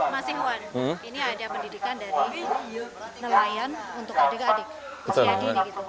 mas iwan ini ada pendidikan dari nelayan untuk adik adik usia dini gitu